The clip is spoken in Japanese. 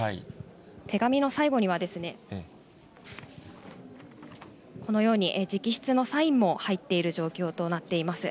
手紙の最後には、このように、直筆のサインも入っている状況となっています。